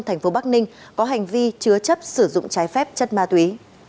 thành phố bắc ninh có hành vi chứa chấp sử dụng trái phép chất ma túy